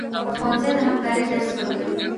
ښوونځی د همکارۍ درس ورکوي